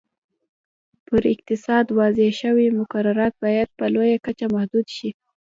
پر اقتصاد وضع شوي مقررات باید په لویه کچه محدود شي.